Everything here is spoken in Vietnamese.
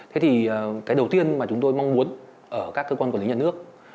thế thì cái đầu tiên mà chúng tôi mong muốn ở các cơ quan quản lý nhà nước